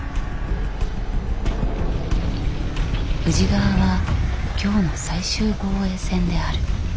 宇治川は京の最終防衛線である。